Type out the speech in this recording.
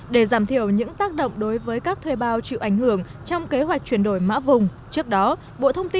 để giảm thiểu những tác động đối với các thuê bao chịu ảnh hưởng trong kế hoạch chuyển đổi mã vùng